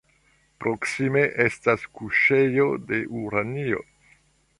Proksime estas kuŝejo de uranio.